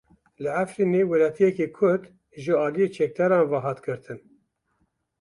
Li Efrînê welatiyekî Kurd ji aliyê çekdaran ve hat girtin.